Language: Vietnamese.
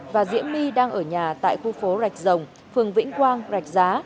và diễm my đang ở nhà tại khu phố rạch rồng phường vĩnh quang rạch giá